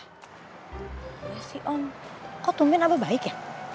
ya si om kok tumben abah baik ya